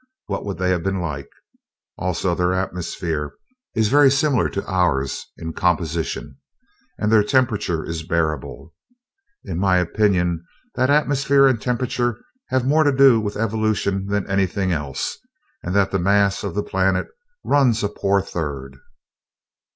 What would they have been like? Also, their atmosphere is very similar to ours in composition, and their temperature is bearable. It is my opinion that atmosphere and temperature have more to do with evolution than anything else, and that the mass of the planet runs a poor third."